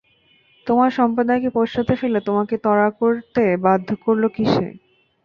তোমার সম্প্রদায়কে পশ্চাতে ফেলে তোমাকে ত্বরা করতে বাধ্য করল কিসে?